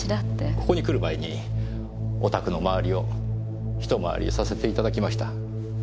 ここに来る前にお宅の周りをひと回りさせていただきました。